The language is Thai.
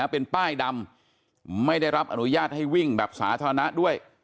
เป็นป้ายดำไม่ได้รับอนุญาตให้วิ่งแบบสาธารณะด้วย